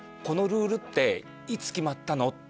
「このルールっていつ決まったの？」